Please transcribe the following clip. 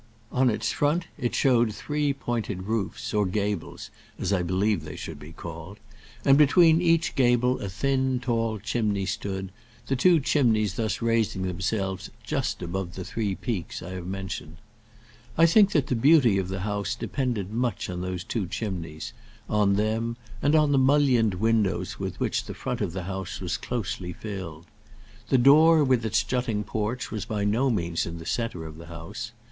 On its front it showed three pointed roofs, or gables, as I believe they should be called; and between each gable a thin tall chimney stood, the two chimneys thus raising themselves just above the three peaks I have mentioned. I think that the beauty of the house depended much on those two chimneys; on them, and on the mullioned windows with which the front of the house was closely filled. The door, with its jutting porch, was by no means in the centre of the house.